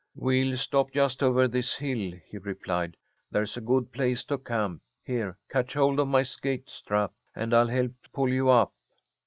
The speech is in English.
"We'll stop just over this hill," he replied. "There's a good place to camp. Here! Catch hold of my skate strap, and I'll help pull you up."